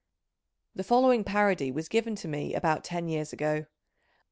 The following parody was given to me about ten years ago.